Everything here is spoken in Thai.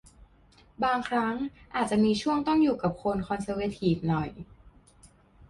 บางครั้งอาจจะมีช่วงต้องอยู่กับคนคอนเซอร์เวทีฟหน่อย